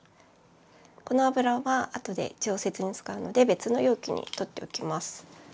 この油はあとで調節に使うので別の容器に取っておきます。